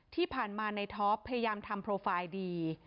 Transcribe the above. ที่ผ่านมาในท็อปพยายามทำโปรไฟล์ดี